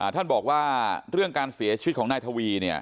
ท่านบอกว่าเรื่องการเสียชีวิตของนายทวี